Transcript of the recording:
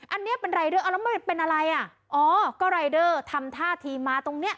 อันนี้เป็นรายเดอร์เอาแล้วมันเป็นอะไรอ่ะอ๋อก็รายเดอร์ทำท่าทีมาตรงเนี้ย